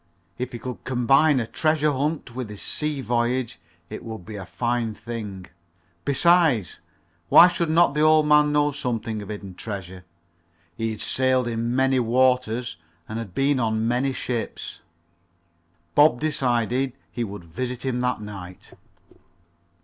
If he could combine a treasure hunt with his sea voyage it would be a fine thing. Besides, why should not the old man know something of hidden treasure? He had sailed in many waters and been on many ships. Bob decided he would visit him that night.